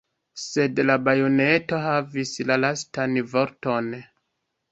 Sed la bajoneto havis la lastan vorton.